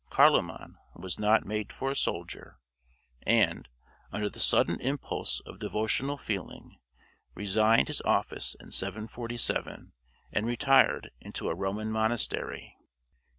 Carloman was not made for a soldier, and, under the sudden impulse of devotional feeling, resigned his office in 747, and retired into a Roman monastery.